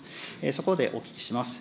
そこでお聞きします。